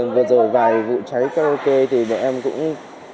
vừa rồi vài vụ cháy karaoke thì bọn em cũng